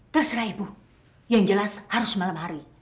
terserah ibu yang jelas harus malam hari